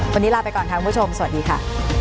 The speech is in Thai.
วันนี้ลาไปก่อนค่ะคุณผู้ชมสวัสดีค่ะ